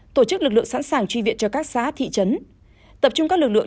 tổ chức lực lượng sẵn sàng truy viện cho các xã thị trấn tập trung các lực lượng